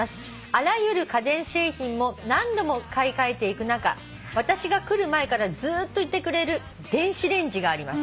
「あらゆる家電製品も何度も買い替えていく中私が来る前からずっといてくれる電子レンジがあります」